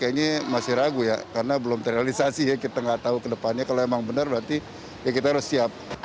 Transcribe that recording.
kayaknya masih ragu ya karena belum terrealisasi ya kita nggak tahu ke depannya kalau emang benar berarti ya kita harus siap